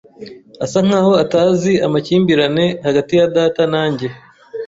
Asa nkaho atazi amakimbirane hagati ya data na njye.